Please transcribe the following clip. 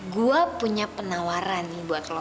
gue punya penawaran nih buat lo